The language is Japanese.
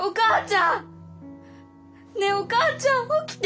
ねえお母ちゃん起きて！